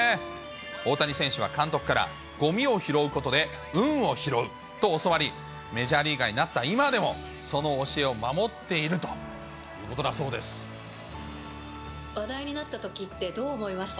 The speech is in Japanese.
大谷選手は監督からごみを拾うことで運を拾うと教わり、メジャーリーガーになった今でも、その教えを守っているということ話題になったときってどう思いました？